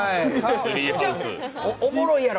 おもろいやろ？